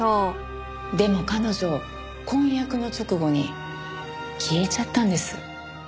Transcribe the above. でも彼女婚約の直後に消えちゃったんです。